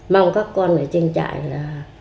mong các con ở trên trại là